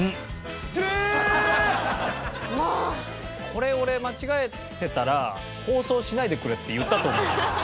これ俺間違えてたら「放送しないでくれ」って言ったと思う。